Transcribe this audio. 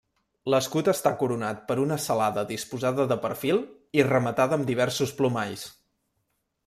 L'escut està coronat per una celada disposada de perfil i rematada amb diversos plomalls.